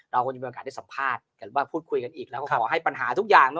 คงจะมีโอกาสได้สัมภาษณ์กันว่าพูดคุยกันอีกแล้วก็ขอให้ปัญหาทุกอย่าง